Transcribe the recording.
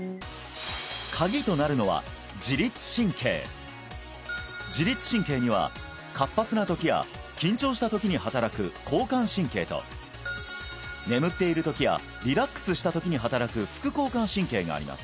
カギとなるのは自律神経自律神経には活発なときや緊張したときに働く交感神経と眠っているときやリラックスしたときに働く副交感神経があります